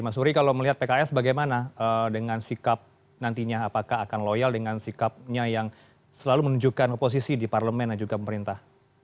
mas uri kalau melihat pks bagaimana dengan sikap nantinya apakah akan loyal dengan sikapnya yang selalu menunjukkan oposisi di parlemen dan juga pemerintah